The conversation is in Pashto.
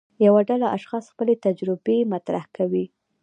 یوه ډله اشخاص خپلې تجربې مطرح کوي.